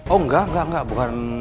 oh enggak enggak bukan